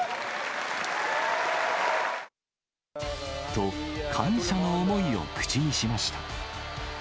と、感謝の思いを口にしました。